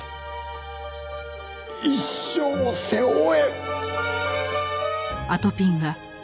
一生背負え。